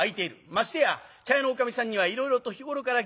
ましてや茶屋のおかみさんにはいろいろと日頃から義理がございます。